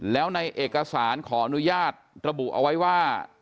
แล้วในเอกสารขออนุญาตระบุเอาไว้ว่า